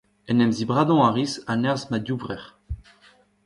En em zibradañ a ris a-nerzh ma divrec'h.